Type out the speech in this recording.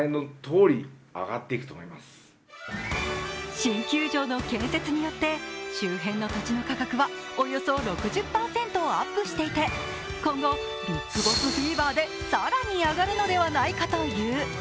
新球場の建設によって周辺の土地の価格はおよそ６０％アップしていて、今後ビッグボスィーバーで更に上がるのではないかという。